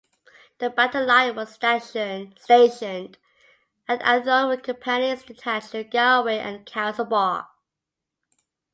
The battalion was stationed at Athlone with companies detached to Galway and Castlebar.